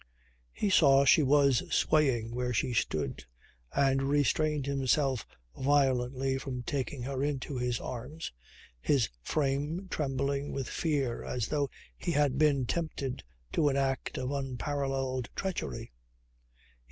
He saw she was swaying where she stood and restrained himself violently from taking her into his arms, his frame trembling with fear as though he had been tempted to an act of unparalleled treachery.